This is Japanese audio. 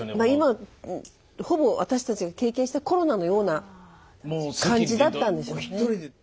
今ほぼ私たちが経験したコロナのような感じだったんでしょうね。